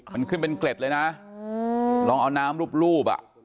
มันขึ้นเป็นเกล็ดเลยนะลองเอาน้ำรูปอ่ะ